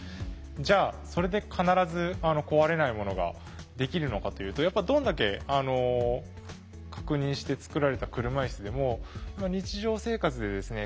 じゃあそれで必ず壊れないものができるのかというとやっぱどんだけ確認して作られた車いすでも日常生活でですね